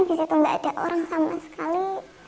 di situ nggak ada orang sama sekali